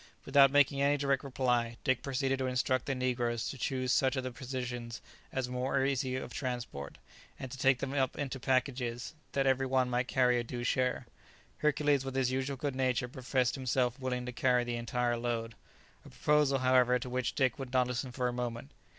Without making any direct reply, Dick proceeded to instruct the negroes to choose such of the provisions as were most easy of transport, and to make them up into packages, that every one might carry a due share. Hercules with his usual good nature professed himself willing to carry the entire load; a proposal, however, to which Dick would not listen for a moment.